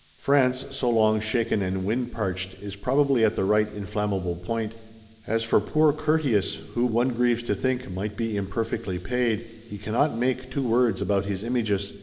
France, so long shaken and wind parched, is probably at the right inflammable point.—As for poor Curtius, who, one grieves to think, might be but imperfectly paid,—he cannot make two words about his Images.